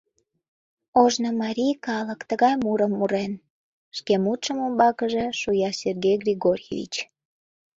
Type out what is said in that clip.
— Ожно марий калык тыгай мурым мурен, — шке мутшым умбакыже шуя Сергей Григорьевич.